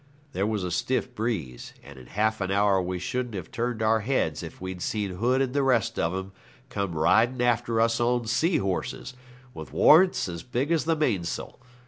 There was a stiff breeze, and in half an hour we shouldn't have turned our heads if we'd seen Hood and the rest of 'em come riding after us on seahorses, with warrants as big as the mainsail.